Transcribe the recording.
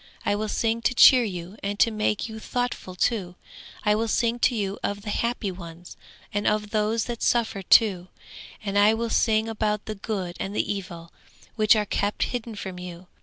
I will sing to cheer you and to make you thoughtful too; I will sing to you of the happy ones, and of those that suffer too. I will sing about the good and the evil, which are kept hidden from you.